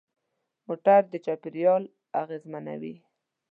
موټر د چاپېریال اغېزمنوي.